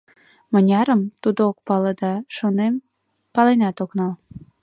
Мынярым — тудо ок пале да, шонем, паленат ок нал.